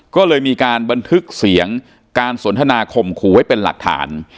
ก็เลยมีการบันทึกเสียงการสนทนาข่มขู่ไว้เป็นหลักฐาน